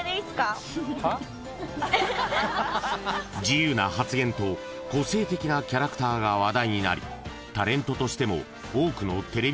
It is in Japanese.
［自由な発言と個性的なキャラクターが話題になりタレントとしても多くのテレビ番組に出演］